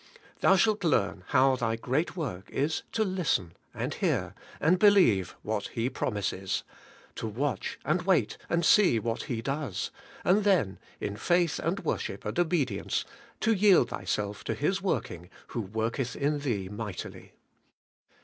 Thou shalt learn how thy great work is to listen, and hear, and believe what He promises; to watch and wait and see what He does; and then, in faith, and worship, and obedience, to yield thyself to His work ing who worketh in thee mightily.